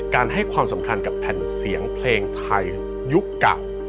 ให้ความสำคัญกับแผ่นเสียงเพลงไทยยุคเก่า